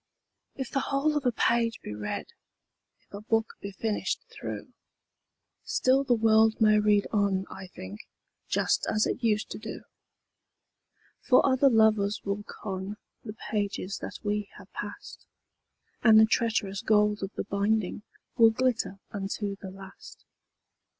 II. If the whole of a page be read, If a book be finished through, Still the world may read on, I think, Just as it used to do; For other lovers will con The pages that we have passed, And the treacherous gold of the binding Will glitter unto the last.